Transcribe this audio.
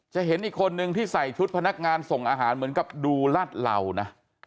เห็นอีกคนนึงที่ใส่ชุดพนักงานส่งอาหารเหมือนกับดูลาดเหล่านะ